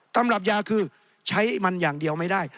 ตำรับยาคือใช้มันอย่างเดียวไม่ได้